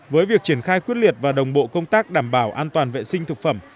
với việc triển khai quyết liệt và đồng bộ công tác đảm bảo an toàn vệ sinh thực phẩm